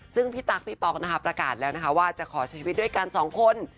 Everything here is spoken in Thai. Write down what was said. ซึ่งพี่ตั๊กพี่ป๊อกนะคะประกาศแล้วนะคะว่าจะขอใช้ชีวิตด้วยกันสองคน